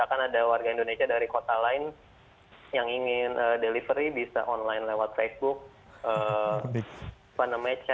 kan ada warga indonesia dari kota lain yang ingin delivery bisa online lewat facebook